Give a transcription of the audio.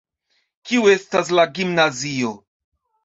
Kio estas la gimnazio?